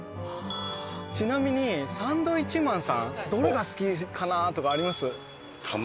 ちなみにサンドウィッチマンさんどれが好きかなとかあります？